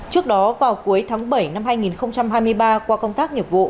trước đó vào cuối tháng bảy năm hai nghìn hai mươi ba qua công tác nghiệp vụ